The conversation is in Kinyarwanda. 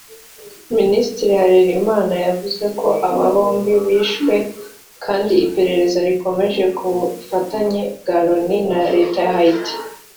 Minisitiri Harerimana yavuze ko aba bombi bishwe kandi iperereza rikomeje ku bufatanye bwa Loni na Leta ya Haiti